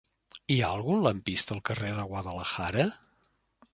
Hi ha algun lampista al carrer de Guadalajara?